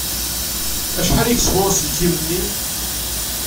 Acḥal ay yeswa uselkim-nni?